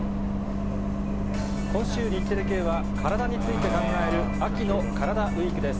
今週、日テレ系は、カラダについて考える、秋のカラダＷＥＥＫです。